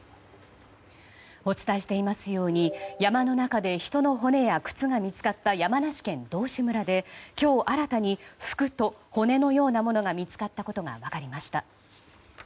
お伝えしていますように山の中で人の骨や靴が見つかった山梨県道志村で、今日新たに服と骨のようなものが見つかったことが分かりました。